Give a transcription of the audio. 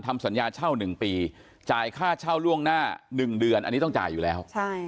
ทำสัญญาเช่า๑ปีจ่ายค่าเช่าล่วงหน้า๑เดือนอันนี้ต้องจ่ายอยู่แล้ว